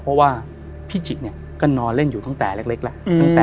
เพราะว่าพี่จิกเนี่ยก็นอนเล่นอยู่ตั้งแต่เล็กแล้ว